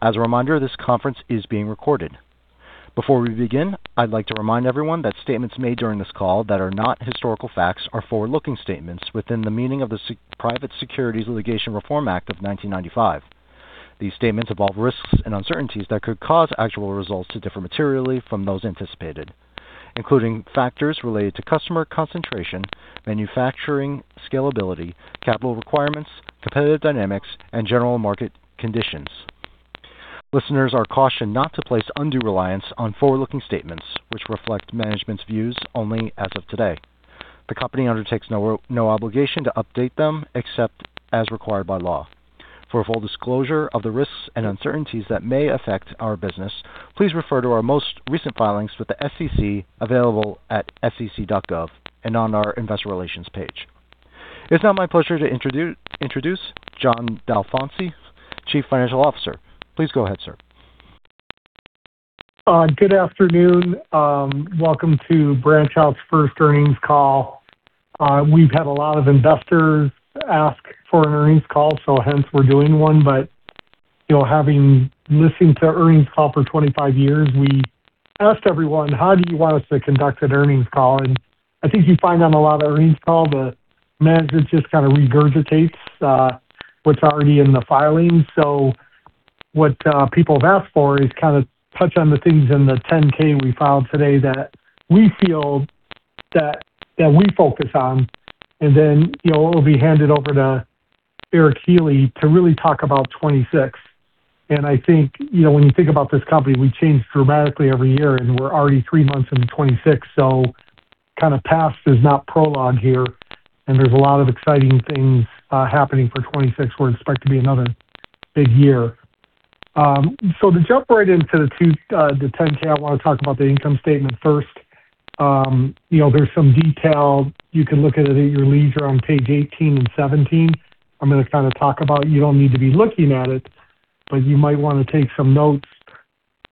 As a reminder, this conference is being recorded. Before we begin, I'd like to remind everyone that statements made during this call that are not historical facts are forward-looking statements within the meaning of the Private Securities Litigation Reform Act of 1995. These statements involve risks and uncertainties that could cause actual results to differ materially from those anticipated, including factors related to customer concentration, manufacturing scalability, capital requirements, competitive dynamics, and general market conditions. Listeners are cautioned not to place undue reliance on forward-looking statements, which reflect management's views only as of today. The company undertakes no obligation to update them except as required by law. For a full disclosure of the risks and uncertainties that may affect our business, please refer to our most recent filings with the SEC available at sec.gov and on our investor relations page. It's now my pleasure to introduce John Dalfonsi, Chief Financial Officer. Please go ahead, sir. Good afternoon. Welcome to BranchOut's first earnings call. We've had a lot of investors ask for an earnings call, so hence we're doing one. You know, having listened to earnings calls for 25 years, we asked everyone, How do you want us to conduct an earnings call? I think you find on a lot of earnings calls, the management just kind of regurgitates what's already in the filings. What people have asked for is kind of touch on the things in the 10-K we filed today that we feel we focus on. You know, it'll be handed over to Eric Healy to really talk about 2026. I think, you know, when you think about this company, we change dramatically every year, and we're already three months into 2026, so kind of past is not prologue here. There's a lot of exciting things happening for 2026, where it's expected to be another big year. To jump right into the 10-K, I wanna talk about the income statement first. You know, there's some detail. You can look at it at your leisure on page 18 and 17. I'm gonna kind of talk about it. You don't need to be looking at it, but you might wanna take some notes.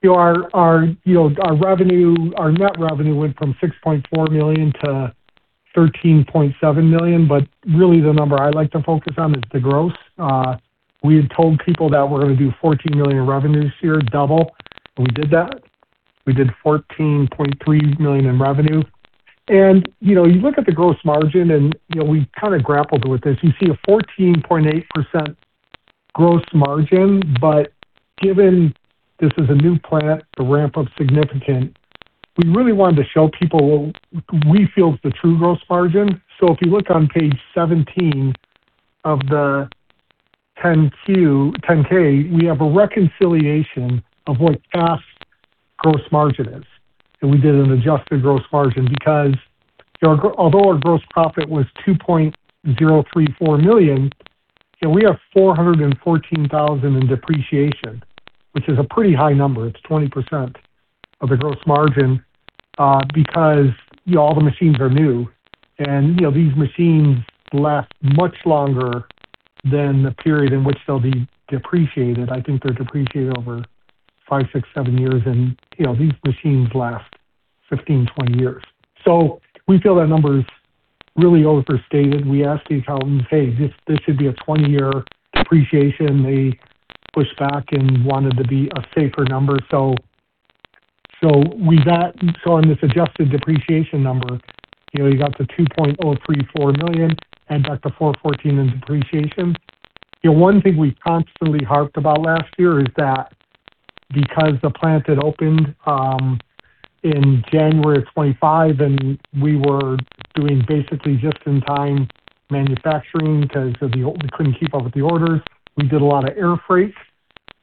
Our you know, our revenue, our net revenue went from $6.4 million to $13.7 million, but really the number I like to focus on is the gross. We had told people that we're gonna do $14 million in revenue this year, double. We did that. We did $14.3 million in revenue. You know, you look at the gross margin and, you know, we kind of grappled with this. You see a 14.8% gross margin. Given this is a new plant, the ramp-up's significant, we really wanted to show people what we feel is the true gross margin. If you look on page 17 of the 10-K, we have a reconciliation of what GAAP gross margin is. We did an adjusted gross margin because, you know, although our gross profit was $2.034 million, you know, we have $414,000 in depreciation, which is a pretty high number. It's 20% of the gross margin, because, you know, all the machines are new. You know, these machines last much longer than the period in which they'll be depreciated. I think they're depreciated over five, six, seven years and, you know, these machines last 15 years, 20 years. We feel that number is really overstated. We asked the accountant, Hey, this should be a 20-year depreciation. They pushed back and wanted to be a safer number. On this adjusted depreciation number, you know, you got the $2.034 million and back to 414 in depreciation. You know, one thing we constantly harped about last year is that because the plant had opened in January of 2025, and we were doing basically just-in-time manufacturing because we couldn't keep up with the orders. We did a lot of air freight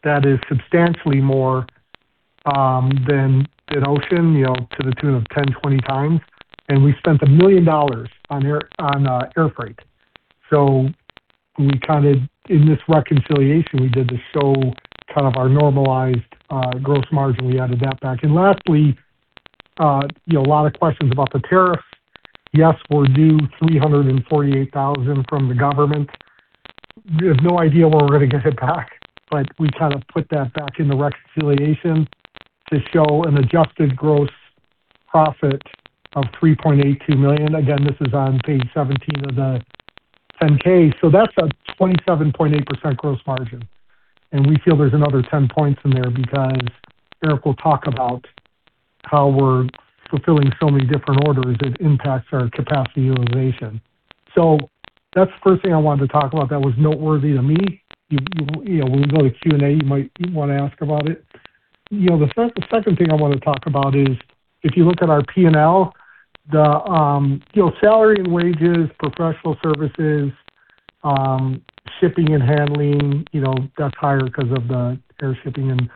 that is substantially more than an ocean, you know, to the tune of 10, 20 times. We spent $1 million on air freight. We kind of, in this reconciliation, we did this to show kind of our normalized gross margin. We added that back. Lastly, you know, a lot of questions about the tariff. Yes, we're due $348,000 from the government. We have no idea when we're gonna get it back, but we kind of put that back in the reconciliation to show an adjusted gross profit of $3.82 million. Again, this is on page 17 of the 10-K. That's a 27.8% gross margin. We feel there's another 10 points in there because Eric will talk about how we're fulfilling so many different orders, it impacts our capacity utilization. That's the first thing I wanted to talk about that was noteworthy to me. You know, when we go to Q&A, you might wanna ask about it. You know, the second thing I want to talk about is if you look at our P&L, salary and wages, professional services, shipping and handling, you know, that's higher 'cause of the air shipping and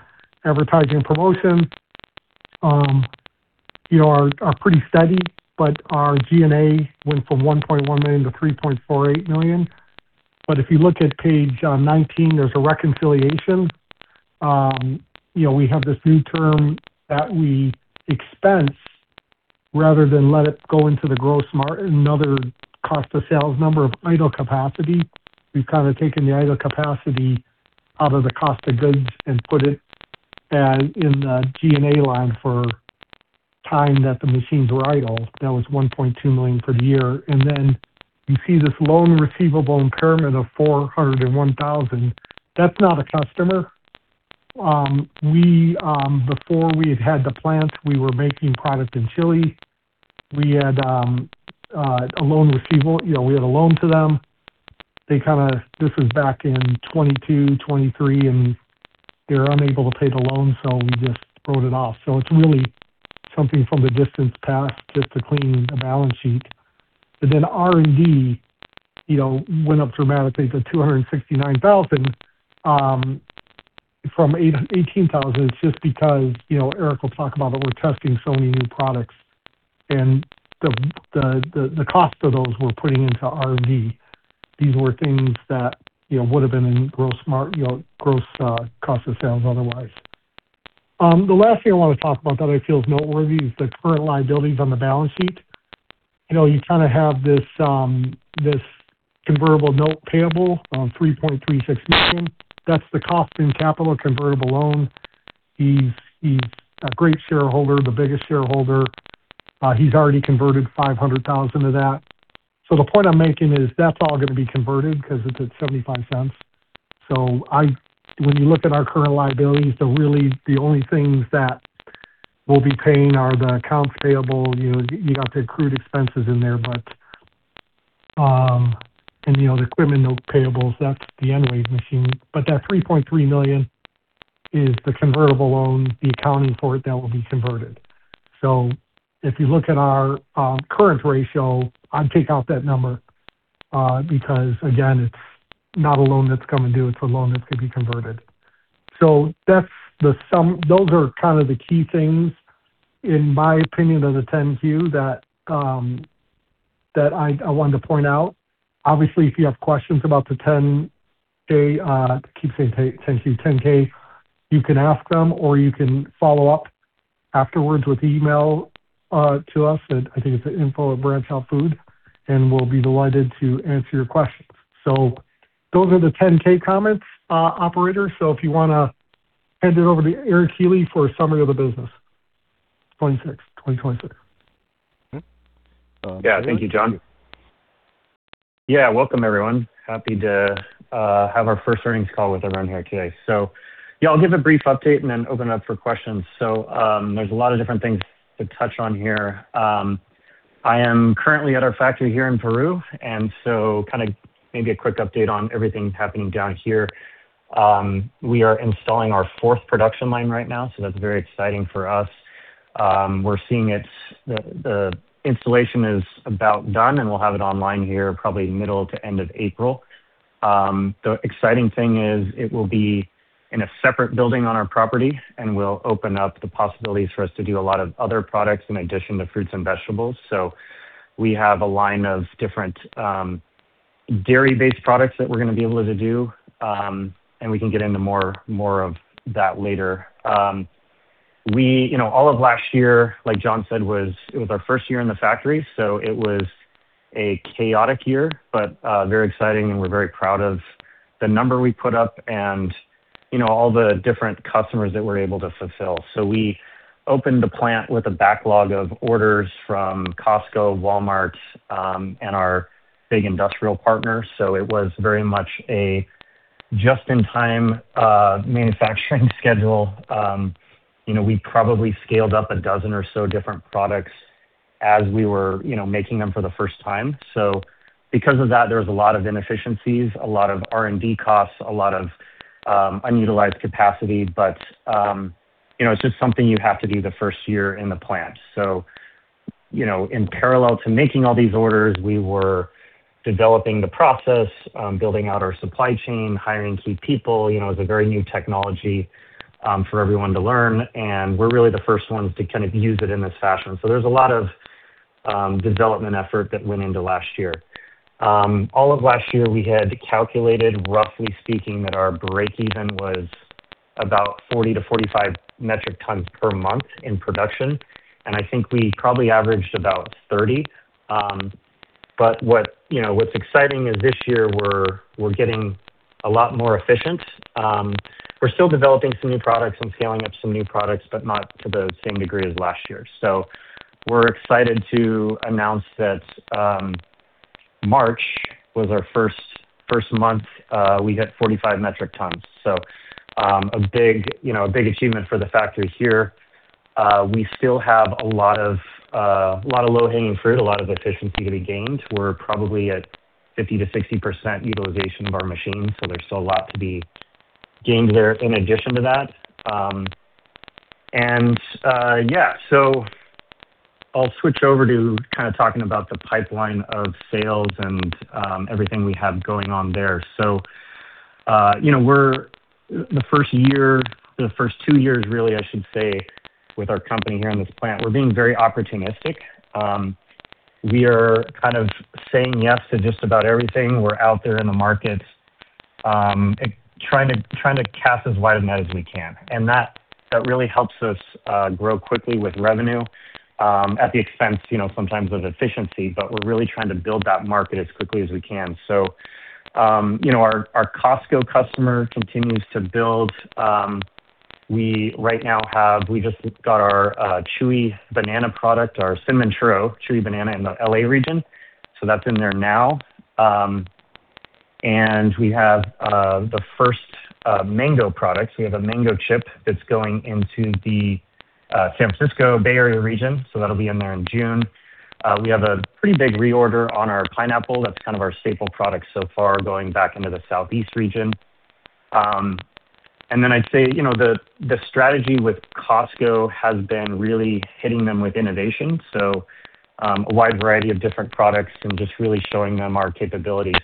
advertising promotion, you know, are pretty steady. Our G&A went from $1.1 million to $3.48 million. If you look at page 19, there's a reconciliation. You know, we have this new term that we expense rather than let it go into the gross margin, another cost of sales number, idle capacity. We've kind of taken the idle capacity out of the cost of goods and put it in the G&A line for the time that the machines were idle, that was $1.2 million for the year. You see this loan receivable impairment of $401,000. That's not a customer. Before we had had the plants, we were making product in Chile. We had a loan receivable. You know, we had a loan to them. This was back in 2022, 2023, and they were unable to pay the loan, so we just wrote it off. It's really something from the distant past just to clean the balance sheet. R&D, you know, went up dramatically to $269,000 from $18,000. It's just because, you know, Eric will talk about that we're testing so many new products and the cost of those we're putting into R&D. These were things that, you know, would have been in gross cost of sales otherwise. The last thing I want to talk about that I feel is noteworthy is the current liabilities on the balance sheet. You know, you kind of have this convertible note payable of $3.36 million. That's the cost of capital convertible loan. He's a great shareholder, the biggest shareholder. He's already converted $500,000 of that. So the point I'm making is that's all gonna be converted because it's at $0.75. When you look at our current liabilities, really, the only things that we'll be paying are the accounts payable. You know, you got the accrued expenses in there, but and you know, the equipment note payables, that's the EnWave machine. That $3.3 million is the convertible loan, the accounting for it that will be converted. If you look at our current ratio, I'd take out that number because again, it's not a loan that's coming due, it's a loan that's going to be converted. That's the sum. Those are kind of the key things in my opinion of the 10-Q that I wanted to point out. Obviously, if you have questions about the 10-K, I keep saying 10-Q, 10-K, you can ask them or you can follow up afterwards with email to us at I think it's info@branchoutfood, and we'll be delighted to answer your questions. Those are the 10-K comments, operator. If you wanna hand it over to Eric Healy for a summary of the business, 2026. Thank you, John. Welcome, everyone. Happy to have our first earnings call with everyone here today. I'll give a brief update and then open up for questions. There's a lot of different things to touch on here. I am currently at our factory here in Peru, and kind of maybe a quick update on everything happening down here. We are installing our fourth production line right now, so that's very exciting for us. The installation is about done, and we'll have it online here probably middle to end of April. The exciting thing is it will be in a separate building on our property, and will open up the possibilities for us to do a lot of other products in addition to fruits and vegetables. We have a line of different dairy-based products that we're gonna be able to do, and we can get into more of that later. We, you know, all of last year, like John said, it was our first year in the factory, so it was a chaotic year, but very exciting, and we're very proud of the number we put up and, you know, all the different customers that we're able to fulfill. We opened the plant with a backlog of orders from Costco, Walmart, and our big industrial partners. It was very much a just-in-time manufacturing schedule. You know, we probably scaled up a dozen or so different products as we were, you know, making them for the first time. Because of that, there was a lot of inefficiencies, a lot of R&D costs, a lot of unutilized capacity. You know, it's just something you have to do the first year in the plant. You know, in parallel to making all these orders, we were developing the process, building out our supply chain, hiring key people. You know, it's a very new technology for everyone to learn, and we're really the first ones to kind of use it in this fashion. There's a lot of development effort that went into last year. All of last year we had calculated, roughly speaking, that our breakeven was about 40 metric tons-45 metric tons per month in production, and I think we probably averaged about 30. You know, what's exciting is this year we're getting a lot more efficient. We're still developing some new products and scaling up some new products, but not to the same degree as last year. We're excited to announce that March was our first month. We hit 45 metric tons. A big achievement for the factory here. We still have a lot of low-hanging fruit, a lot of efficiency to be gained. We're probably at 50%-60% utilization of our machines, so there's still a lot to be gained there in addition to that. I'll switch over to kind of talking about the pipeline of sales and everything we have going on there. You know, the first year, the first two years really I should say, with our company here in this plant, we're being very opportunistic. We are kind of saying yes to just about everything. We're out there in the market, trying to cast as wide a net as we can. That really helps us grow quickly with revenue at the expense, you know, sometimes of efficiency, but we're really trying to build that market as quickly as we can. You know, our Costco customer continues to build. We just got our chewy banana product, our Cinnamon Churro Chewy Banana in the L.A. region, so that's in there now. We have the first mango products. We have a Mango Chip that's going into the San Francisco Bay Area region, so that'll be in there in June. We have a pretty big reorder on our pineapple. That's kind of our staple product so far, going back into the Southeast region. I'd say, you know, the strategy with Costco has been really hitting them with innovation, so a wide variety of different products and just really showing them our capabilities.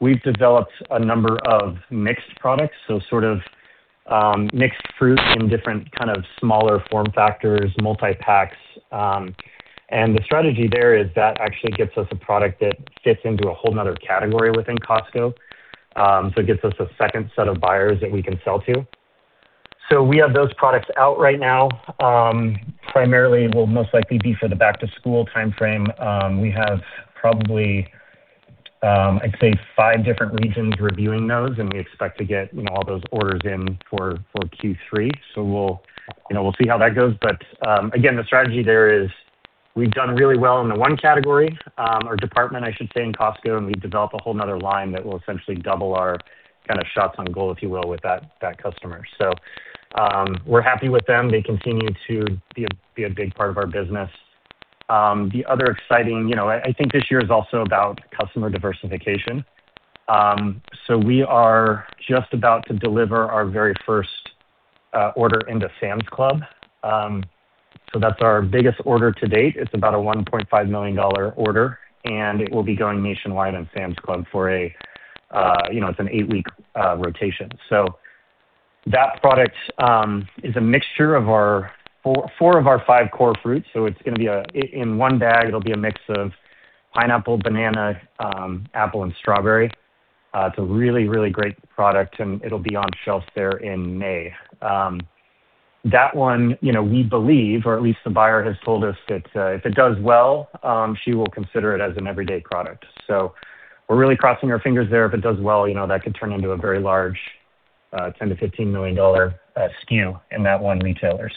We've developed a number of mixed products, so sort of mixed fruit in different kind of smaller form factors, multi-packs, and the strategy there is that actually gets us a product that fits into a whole nother category within Costco, so it gets us a second set of buyers that we can sell to. We have those products out right now, primarily will most likely be for the back to school timeframe. We have probably, I'd say five different regions reviewing those, and we expect to get, you know, all those orders in for Q3. We'll, you know, we'll see how that goes. Again, the strategy there is we've done really well in the one category, or department, I should say, in Costco, and we've developed a whole nother line that will essentially double our kind of shots on goal, if you will, with that customer. We're happy with them. They continue to be a big part of our business. The other exciting, you know, I think this year is also about customer diversification. We are just about to deliver our very first order into Sam's Club. That's our biggest order to date. It's about a $1.5 million order, and it will be going nationwide in Sam's Club for a, you know, it's an eight-week rotation. So that product is a mixture of our four of our five core fruits. So it's gonna be in one bag, it'll be a mix of pineapple, banana, apple and strawberry. It's a really, really great product, and it'll be on shelves there in May. That one, you know, we believe, or at least the buyer has told us that, if it does well, she will consider it as an everyday product. So we're really crossing our fingers there. If it does well, you know, that could turn into a very large, $10 million-$15 million SKU in that one retailer.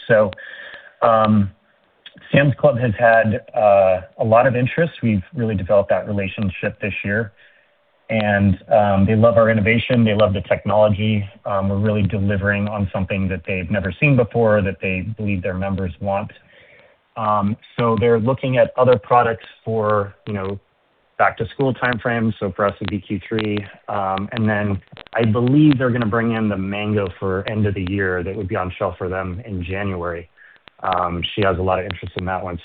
Sam's Club has had a lot of interest. We've really developed that relationship this year, and they love our innovation. They love the technology. We're really delivering on something that they've never seen before that they believe their members want. They're looking at other products for, you know, back to school timeframes. For us, it would be Q3. And then I believe they're gonna bring in the mango for end of the year. That would be on shelf for them in January. She has a lot of interest in that one.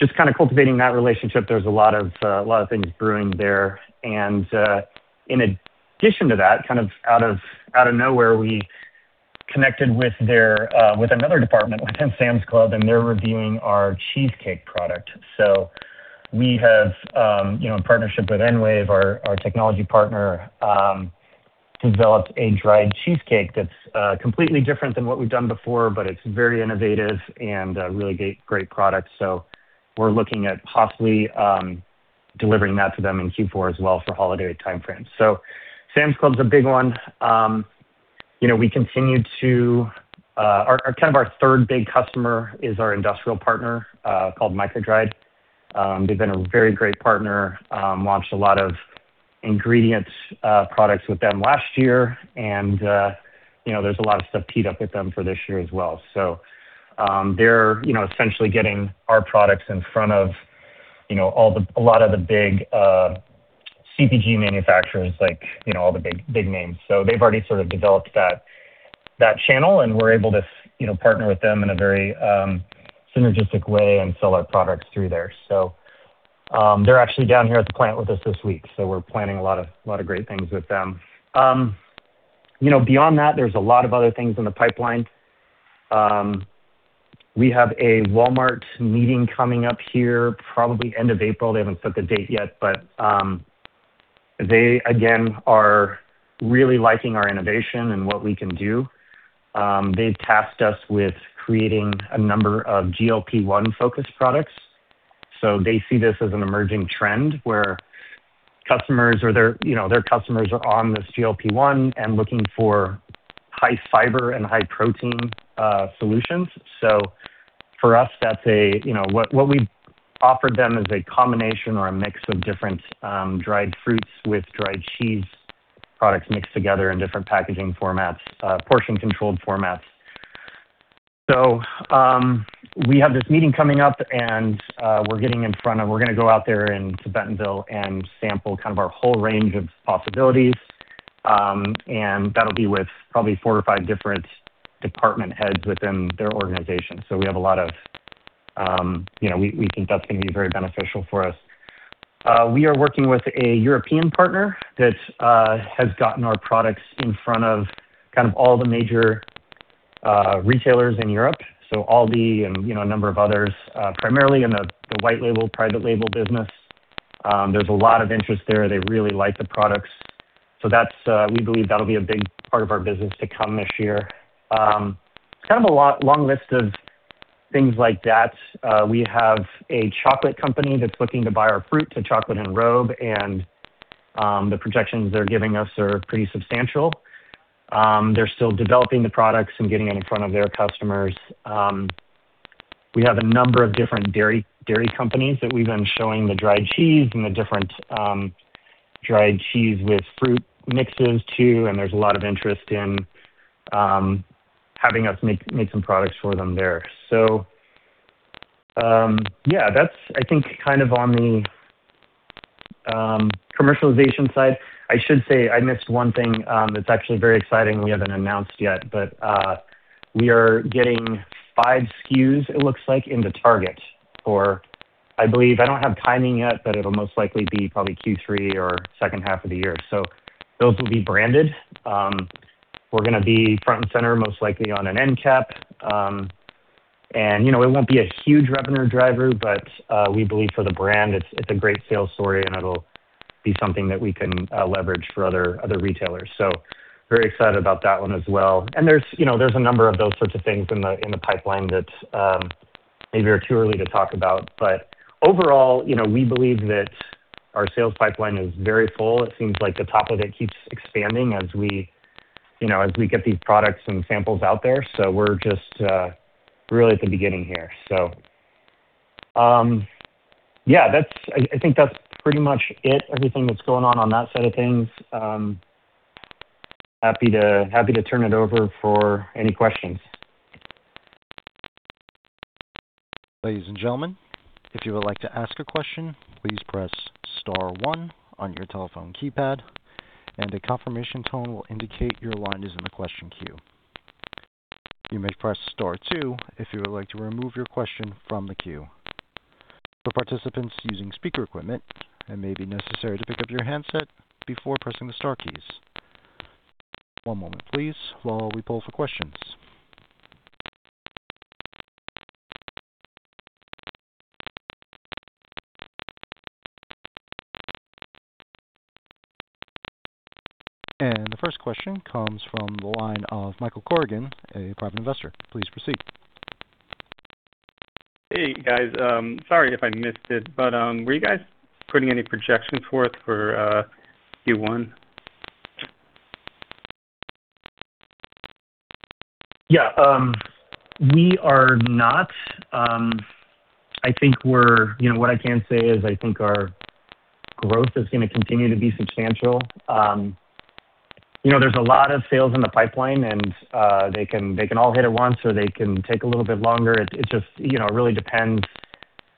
Just kind of cultivating that relationship. There's a lot of things brewing there. In addition to that, kind of out of nowhere, we connected with another department within Sam's Club, and they're reviewing our cheesecake product. We have, you know, in partnership with EnWave, our technology partner, developed a dried cheesecake that's completely different than what we've done before, but it's very innovative and a really great product. We're looking at possibly delivering that to them in Q4 as well for holiday timeframes. Sam's Club's a big one. You know, kind of our third big customer is our industrial partner called MicroDried. They've been a very great partner. Launched a lot of ingredients, products with them last year and, you know, there's a lot of stuff teed up with them for this year as well. They're, you know, essentially getting our products in front of, you know, all the... A lot of the big CPG manufacturers, like, you know, all the big names. They've already sort of developed that channel, and we're able to you know, partner with them in a very synergistic way and sell our products through there. They're actually down here at the plant with us this week, so we're planning a lot of great things with them. You know, beyond that, there's a lot of other things in the pipeline. We have a Walmart meeting coming up here probably end of April. They haven't set the date yet, but they again are really liking our innovation and what we can do. They've tasked us with creating a number of GLP-1 focused products. They see this as an emerging trend where customers or their, you know, their customers are on this GLP-1 and looking for high fiber and high protein solutions. For us, that's a, you know, what we've offered them is a combination or a mix of different dried fruits with dried cheese products mixed together in different packaging formats, portion controlled formats. We have this meeting coming up, and we're gonna go out there into Bentonville and sample kind of our whole range of possibilities, and that'll be with probably four-five different department heads within their organization. We have a lot of, you know, we think that's gonna be very beneficial for us. We are working with a European partner that has gotten our products in front of kind of all the major retailers in Europe, so Aldi and, you know, a number of others, primarily in the white label, private label business. There's a lot of interest there. They really like the products. That's, we believe that'll be a big part of our business to come this year. Kind of a long list of things like that. We have a chocolate company that's looking to buy our fruit to chocolate enrobe, and the projections they're giving us are pretty substantial. They're still developing the products and getting it in front of their customers. We have a number of different dairy companies that we've been showing the dried cheese and the different, dried cheese with fruit mixes too, and there's a lot of interest in, having us make some products for them there. Yeah, that's, I think, kind of on the commercialization side. I should say I missed one thing, that's actually very exciting we haven't announced yet, but, we are getting five SKUs, it looks like, into Target for, I believe. I don't have timing yet, but it'll most likely be probably Q3 or second half of the year. Those will be branded. We're gonna be front and center, most likely on an end cap. You know, it won't be a huge revenue driver, but we believe for the brand it's a great sales story, and it'll be something that we can leverage for other retailers. Very excited about that one as well. There's, you know, there's a number of those sorts of things in the pipeline that maybe are too early to talk about. But overall, you know, we believe that our sales pipeline is very full. It seems like the top of it keeps expanding as we, you know, as we get these products and samples out there. We're just really at the beginning here. Yeah, that's. I think that's pretty much it. Everything that's going on on that side of things. Happy to turn it over for any questions. Ladies and gentlemen, if you would like to ask a question, please press star one on your telephone keypad and a confirmation tone will indicate your line is in the question queue. You may press star two if you would like to remove your question from the queue. For participants using speaker equipment, it may be necessary to pick up your handset before pressing the star keys. One moment please while we pull for questions. The first question comes from the line of Michael Corrigan, a private investor. Please proceed. Hey, guys. Sorry if I missed it, but were you guys putting any projections forth for Q1? Yeah. We are not. You know, what I can say is I think our growth is gonna continue to be substantial. You know, there's a lot of sales in the pipeline, and they can all hit at once or they can take a little bit longer. It just really depends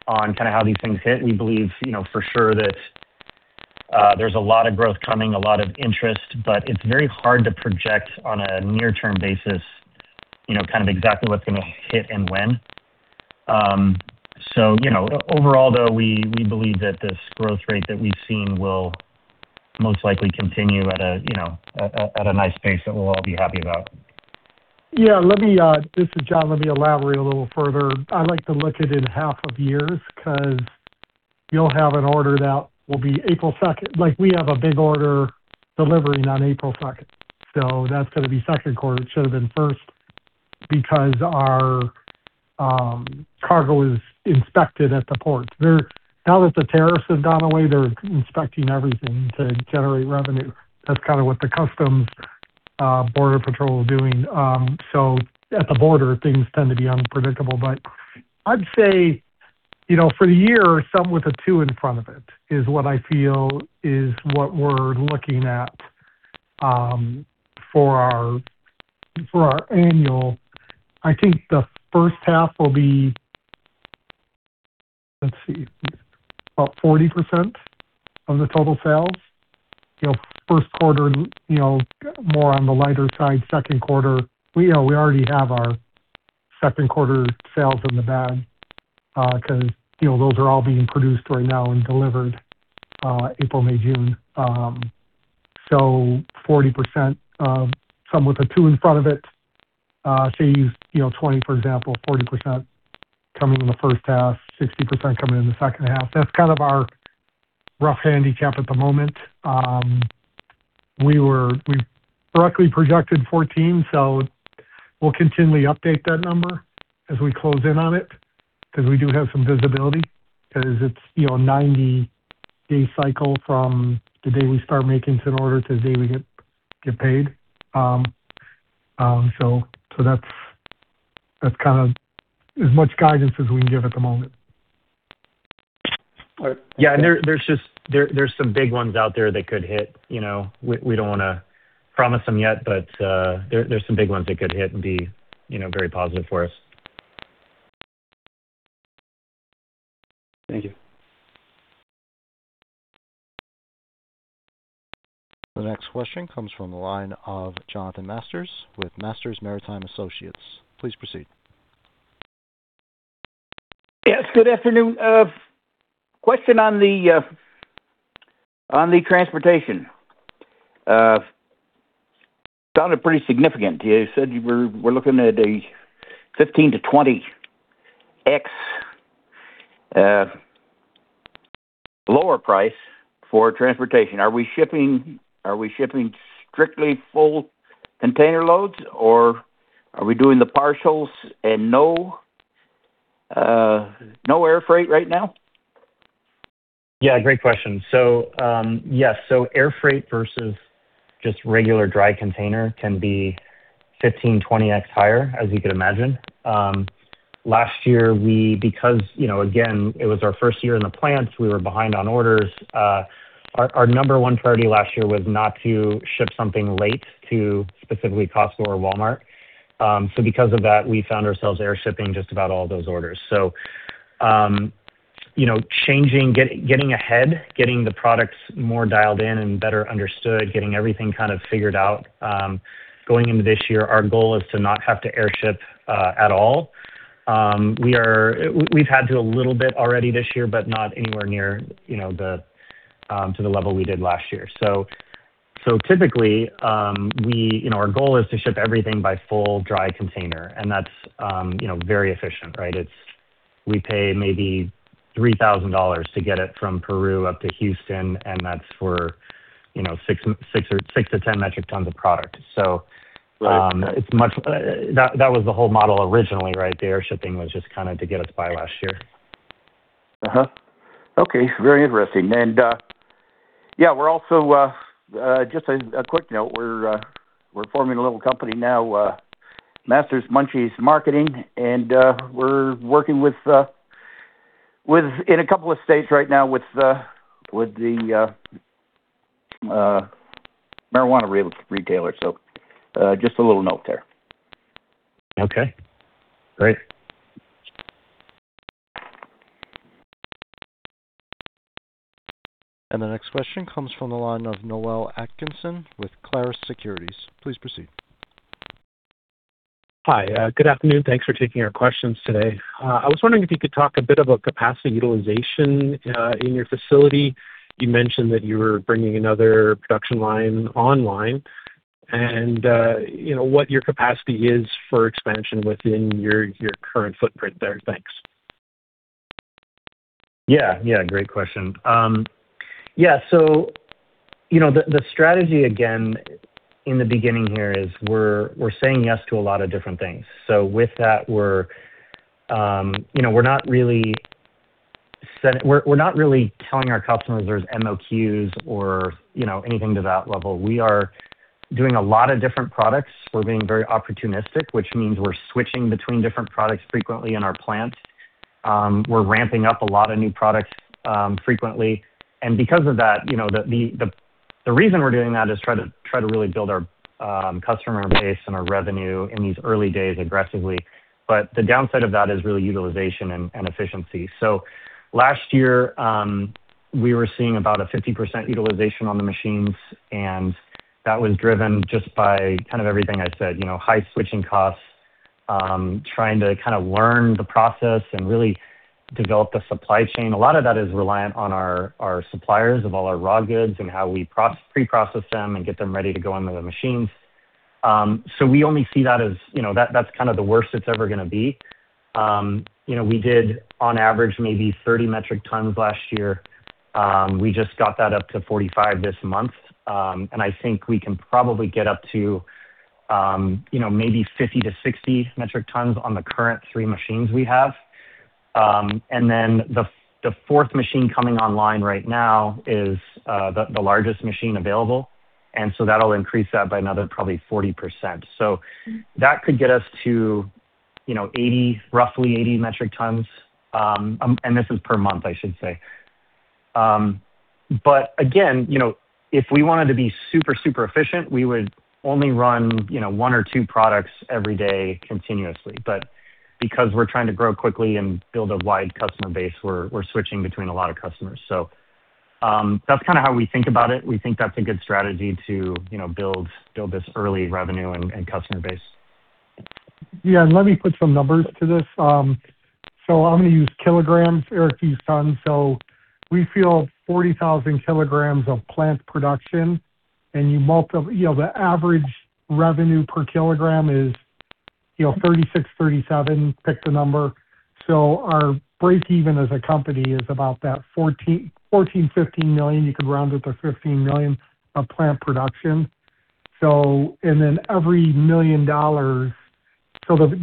on kind of how these things hit. We believe, you know, for sure that there's a lot of growth coming, a lot of interest, but it's very hard to project on a near-term basis, you know, kind of exactly what's gonna hit and when. You know, overall, though, we believe that this growth rate that we've seen will most likely continue at a, you know, a nice pace that we'll all be happy about. This is John. Let me elaborate a little further. I like to look at it in half of years 'cause you'll have an order that will be April second. Like, we have a big order delivering on April second, so that's gonna be second quarter. It should have been first because our cargo is inspected at the port. Now that the tariffs have gone away, they're inspecting everything to generate revenue. That's kind of what the customs border patrol are doing. So at the border, things tend to be unpredictable. I'd say, you know, for the year, something with a two in front of it is what I feel is what we're looking at, for our annual. I think the first half will be, let's see, about 40% of the total sales. You know, first quarter, you know, more on the lighter side. Second quarter, we already have our second quarter sales in the bag, 'cause, you know, those are all being produced right now and delivered, April, May, June. So 40% of somewhere with a two in front of it. Say, you know, 20, for example, 40% coming in the first half, 60% coming in the second half. That's kind of our rough handicap at the moment. We roughly projected 14, so we'll continually update that number as we close in on it 'cause we do have some visibility 'cause it's, you know, 90-day cycle from the day we start making an order to the day we get paid. That's kind of as much guidance as we can give at the moment. Yeah. There's some big ones out there that could hit, you know. We don't wanna promise them yet, but there's some big ones that could hit and be very positive for us. Thank you. The next question comes from the line of Jonathan Masters with Masters Maritime Associates. Please proceed. Yes, good afternoon. Question on the transportation. Sounded pretty significant. You said we're looking at a 15x-20x, Lower price for transportation. Are we shipping strictly full container loads or are we doing the partials and no air freight right now? Yeah, great question. Yes. Air freight versus just regular dry container can be 15%-20% higher, as you can imagine. Last year, because, you know, again, it was our first year in the plants, we were behind on orders. Our number one priority last year was not to ship something late to specifically Costco or Walmart. Because of that, we found ourselves air shipping just about all those orders. You know, changing, getting ahead, getting the products more dialed in and better understood, getting everything kind of figured out, going into this year, our goal is to not have to airship at all. We've had to a little bit already this year, but not anywhere near, you know, to the level we did last year. Typically, we, you know, our goal is to ship everything by full dry container, and that's, you know, very efficient, right? We pay maybe $3,000 to get it from Peru up to Houston, and that's for, you know, six metric tons-10 metric tons of product. That was the whole model originally, right? The air shipping was just kinda to get us by last year. Okay, very interesting. Yeah, we're also just a quick note. We're forming a little company now, Masters Munchies Marketing, and we're working in a couple of states right now with the marijuana retailer. Just a little note there. Okay, great. The next question comes from the line of Noel Atkinson with Clarus Securities. Please proceed. Hi. Good afternoon. Thanks for taking our questions today. I was wondering if you could talk a bit about capacity utilization in your facility. You mentioned that you were bringing another production line online and, you know, what your capacity is for expansion within your current footprint there. Thanks. Yeah, yeah. Great question. You know, the strategy again in the beginning here is we're saying yes to a lot of different things. With that, you know, we're not really telling our customers there's MOQs or, you know, anything to that level. We are doing a lot of different products. We're being very opportunistic, which means we're switching between different products frequently in our plant. We're ramping up a lot of new products frequently. Because of that, you know, the reason we're doing that is try to really build our customer base and our revenue in these early days aggressively. The downside of that is really utilization and efficiency. Last year, we were seeing about a 50% utilization on the machines, and that was driven just by kind of everything I said, you know, high switching costs, trying to kind of learn the process and really develop the supply chain. A lot of that is reliant on our suppliers of all our raw goods and how we pre-process them and get them ready to go into the machines. We only see that as, you know, that's kind of the worst it's ever gonna be. You know, we did on average maybe 30 metric tons last year. We just got that up to 45 this month. I think we can probably get up to, you know, maybe 50 metric tons-60 metric tons on the current three machines we have. The fourth machine coming online right now is the largest machine available, and so that'll increase that by another probably 40%. That could get us to, you know, 80 metric tons, roughly 80 metric tons. This is per month, I should say. Again, you know, if we wanted to be super efficient, we would only run, you know, one or two products every day continuously. Because we're trying to grow quickly and build a wide customer base, we're switching between a lot of customers. That's kinda how we think about it. We think that's a good strategy to, you know, build this early revenue and customer base. Yeah. Let me put some numbers to this. I'm gonna use kilograms, Eric used tons. We feel 40,000 kilograms of plant production. You know, the average revenue per kilogram is, you know, $36-$37, pick the number. Our break even as a company is about that $14 million-$15 million, you could round it to $15 million of plant production. Then every $1 million.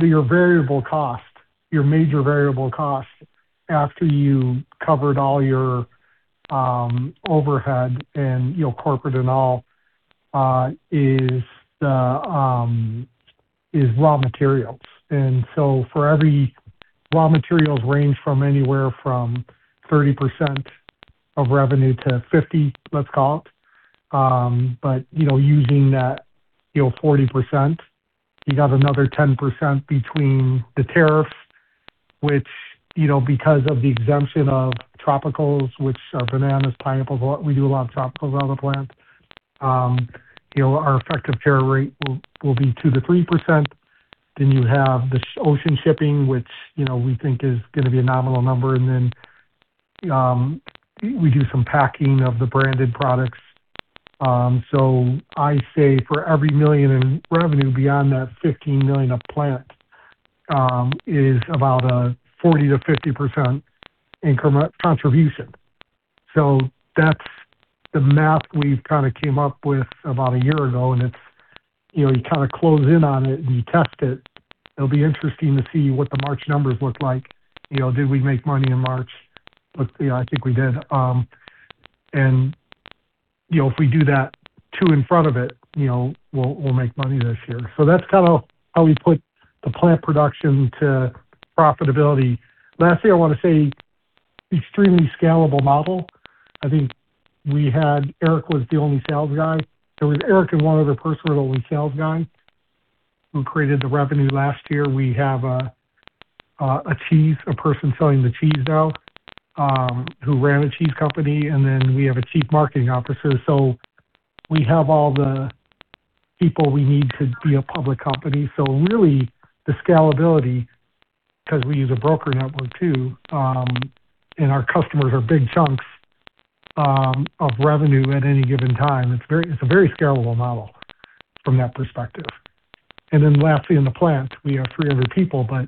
Your variable cost, your major variable cost after you covered all your overhead and, you know, corporate and all, is raw materials. Raw materials range from anywhere from 30% of revenue to 50%, let's call it. You know, using that 40%, you got another 10% between the tariffs, which, you know, because of the exemption of tropicals, which are bananas, pineapples. We do a lot of tropicals on the plant. You know, our effective tariff rate will be 2%-3%. Then you have the ocean shipping, which, you know, we think is gonna be a nominal number. We do some packing of the branded products. I say for every $1 million in revenue beyond that $15 million a plant, is about a 40%-50% incremental contribution. That's the math we've kind of came up with about a year ago, and it's, you know, you kind of close in on it and you test it. It'll be interesting to see what the March numbers look like. You know, did we make money in March? You know, I think we did. You know, if we do that two in front of it, you know, we'll make money this year. That's kind of how we put the plant production to profitability. Lastly, I want to say extremely scalable model. Eric was the only sales guy. It was Eric and one other person were the only sales guys who created the revenue last year. We have a chief, a person selling the cheese now, who ran a cheese company, and then we have a chief marketing officer. We have all the people we need to be a public company. Really the scalability, 'cause we use a broker network too, and our customers are big chunks of revenue at any given time. It's a very scalable model from that perspective. Then lastly, in the plant, we have three other people, but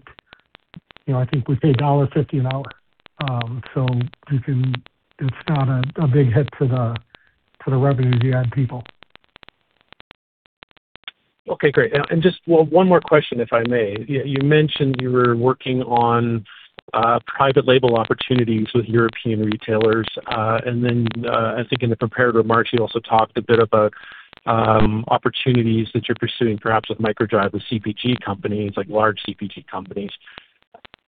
you know, I think we pay $15 an hour. It's not a big hit to the revenue to add people. Okay, great. Just one more question, if I may. You mentioned you were working on private label opportunities with European retailers. I think in the prepared remarks, you also talked a bit about opportunities that you're pursuing perhaps with MicroDried with CPG companies, like large CPG companies.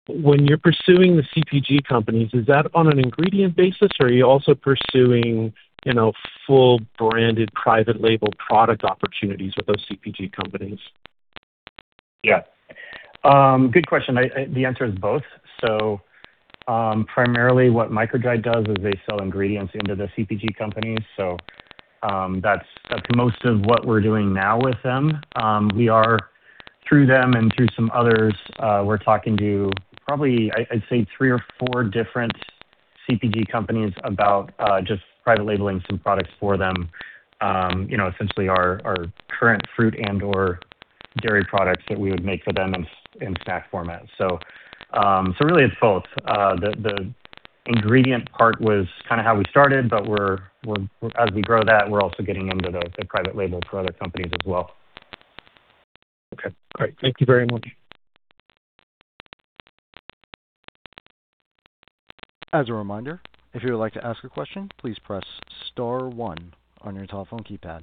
When you're pursuing the CPG companies, is that on an ingredient basis, or are you also pursuing full branded private label product opportunities with those CPG companies? Good question. The answer is both. Primarily what MicroDried does is they sell ingredients into the CPG companies. That's most of what we're doing now with them. We are through them and through some others, we're talking to probably, I'd say three or four different CPG companies about just private label some products for them, you know, essentially our current fruit and/or dairy products that we would make for them in snack format. Really it's both. The ingredient part was kind of how we started, but we're as we grow that, we're also getting into the private label for other companies as well. Okay, great. Thank you very much. As a reminder, if you would like to ask a question, please press star one on your telephone keypad.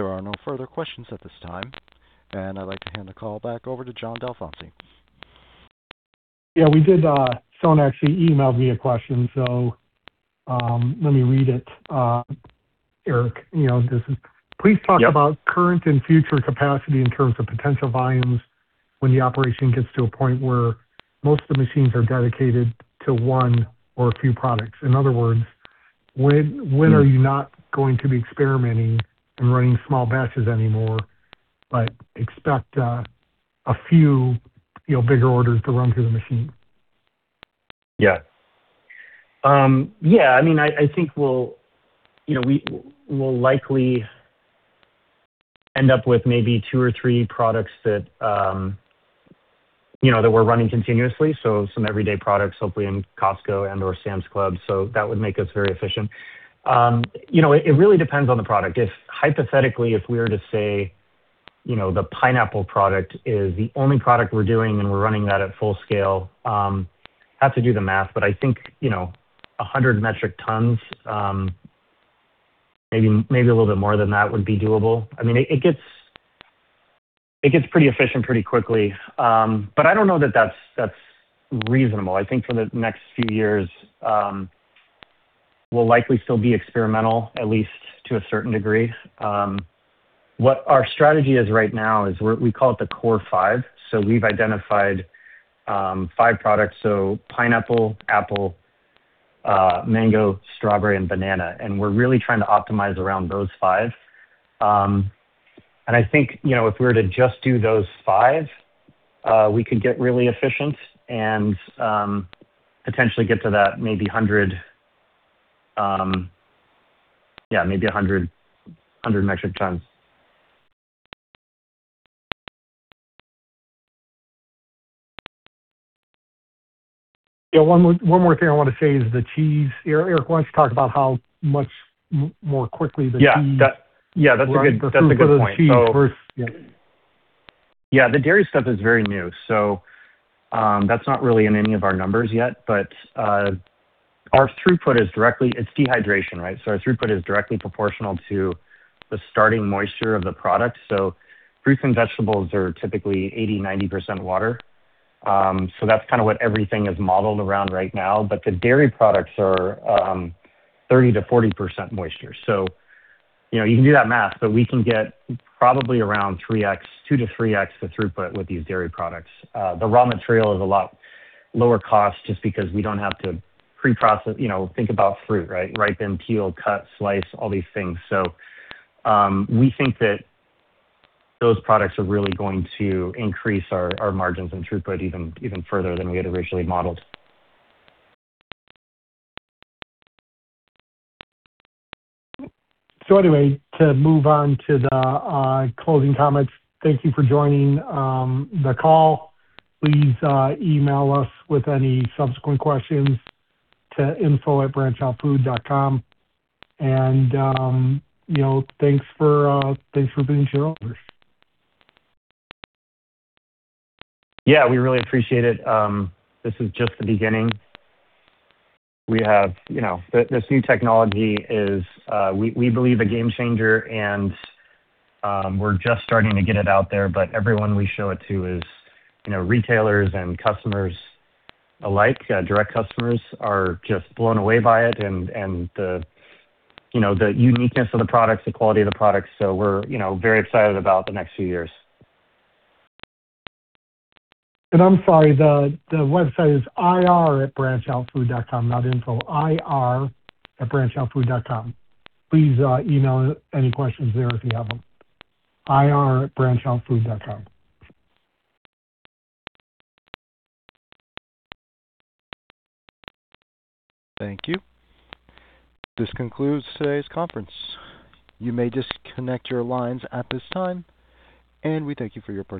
There are no further questions at this time, and I'd like to hand the call back over to John Dalfonsi. Yeah, we did. Someone actually emailed me a question, so let me read it, Eric. You know, this is. Yep. Please talk about current and future capacity in terms of potential volumes when the operation gets to a point where most of the machines are dedicated to one or a few products. In other words, when are you not going to be experimenting and running small batches anymore, but expect a few, you know, bigger orders to run through the machine? Yeah. Yeah, I mean, I think we'll, you know, we will likely end up with maybe two or three products that, you know, that we're running continuously, so some everyday products hopefully in Costco and/or Sam's Club, so that would make us very efficient. You know, it really depends on the product. If hypothetically we were to say, you know, the pineapple product is the only product we're doing and we're running that at full scale, have to do the math, but I think, you know, 100 metric tons, maybe a little bit more than that would be doable. I mean, it gets pretty efficient pretty quickly. But I don't know that that's reasonable. I think for the next few years, we'll likely still be experimental at least to a certain degree. What our strategy is right now is we call it the core five. We've identified five products: pineapple, apple, mango, strawberry, and banana. We're really trying to optimize around those five. I think, you know, if we were to just do those five, we could get really efficient and potentially get to that maybe 100 metric tons. Yeah, maybe 100 metric tons. Yeah. One more thing I want to say is the cheese. Eric, why don't you talk about how much more quickly the cheese- Yeah, that's a good point. So- Versus cheese. Yeah. The dairy stuff is very new, so that's not really in any of our numbers yet. Our throughput is directly proportional to the starting moisture of the product. Fruits and vegetables are typically 80%-90% water. That's kind of what everything is modeled around right now. The dairy products are 30%-40% moisture. You know, you can do that math, but we can get probably around 3x, 2x-3x the throughput with these dairy products. The raw material is a lot lower cost just because we don't have to pre-process. You know, think about fruit, right? Ripen, peel, cut, slice, all these things. We think that those products are really going to increase our margins and throughput even further than we had originally modeled. Anyway, to move on to the closing comments. Thank you for joining the call. Please email us with any subsequent questions to info@branchoutfood.com. You know, thanks for being shareholders. Yeah, we really appreciate it. This is just the beginning. We have, you know, this new technology is, we believe a game changer, and, we're just starting to get it out there. Everyone we show it to is, you know, retailers and customers alike, direct customers are just blown away by it and the, you know, the uniqueness of the products, the quality of the products. We're, you know, very excited about the next few years. I'm sorry, the website is ir@branchoutfood.com, not info. ir@branchoutfood.com. Please, email any questions there if you have them. ir@branchoutfood.com. Thank you. This concludes today's conference. You may disconnect your lines at this time, and we thank you for your participation.